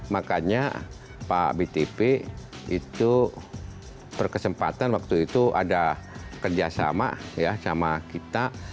makanya pak btp itu berkesempatan waktu itu ada kerjasama ya sama kita